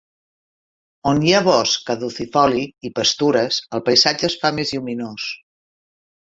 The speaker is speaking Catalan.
On hi ha bosc caducifoli i pastures, el paisatge es fa més lluminós.